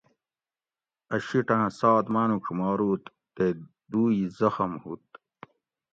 اۤ شِیٹاۤں سات ماۤنُوڄ مارُوت تے دُو ئ زخم ہُوت